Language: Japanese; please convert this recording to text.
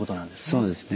そうですね